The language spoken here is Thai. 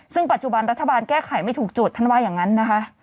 ซึ่งปัจจุบันรัฐบาลแก้ไขไม่ถูกจุดท่านว่าอย่างนั้นนะคะ